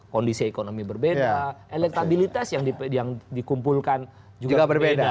kondisi ekonomi berbeda elektabilitas yang dikumpulkan juga berbeda